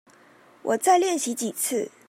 我再練習幾次